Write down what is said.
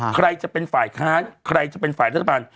ใครจะเป็นฝ่ายค้านใครจะเป็นฝ่ายรัฐบาล